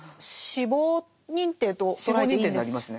死亡認定と捉えていいんです？